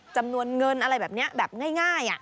จำนวนเงินอะไรแบบนี้แบบง่าย